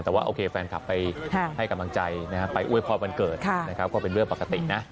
แต่ว่าโอเคแฟนคลับไปให้กำลังใจไปอวยพรวันเกิดนะครับก็เป็นเรื่องปกตินะ